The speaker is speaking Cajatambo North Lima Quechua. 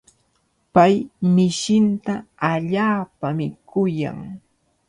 Pay mishinta allaapami kuyan.